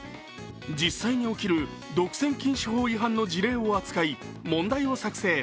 実際に起きる独占禁止法違反の事例を扱い、問題を作成。